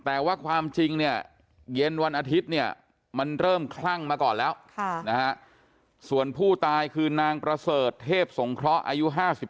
แต่ว่าความจริงเนี่ยเย็นวันอาทิตย์เนี่ยมันเริ่มคลั่งมาก่อนแล้วส่วนผู้ตายคือนางประเสริฐเทพสงเคราะห์อายุ๕๓